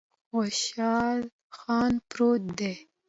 خوشحال خان پروت دی